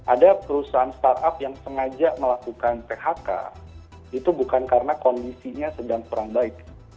ada perusahaan startup yang sengaja melakukan phk itu bukan karena kondisinya sedang kurang baik